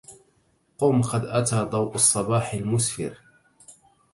قم قد أتى ضوء الصباح المسفر